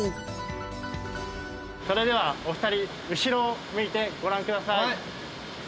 それではお二人後ろを向いてご覧ください。